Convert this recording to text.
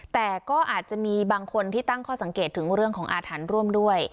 แต่ก็อาจจะมีบางคนที่ตั้งข้อสังเกตถึงเรื่องของอาถรรพ์ร่วมด้วย